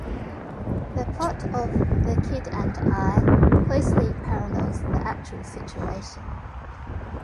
The plot of "The Kid and I" closely parallels the actual situation.